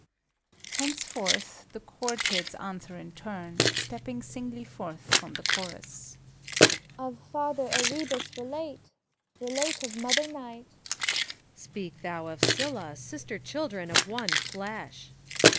{Henceforth the Chorktids answer in turn, stepping singly forth from the Chorus.) CHORETID I. Of Father Erebus relate, relate of Mother Night! PHORKYAS. Speak thou of Scylla, sister children of one flesh